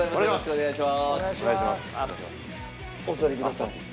お願いします。